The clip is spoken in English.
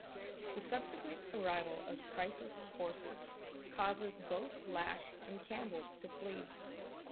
The subsequent arrival of Price's forces causes both Lash and Campbell to flee.